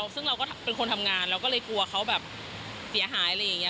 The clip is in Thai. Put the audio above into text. ซึ่งเราก็เป็นคนทำงานเราก็เลยกลัวเขาแบบเสียหายอะไรอย่างนี้